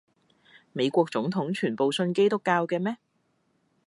美國總統全部信基督教嘅咩？